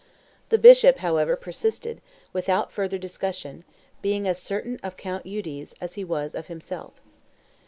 The bishop, however, persisted, without further discussion; being as certain of Count Eudes as he was of himself.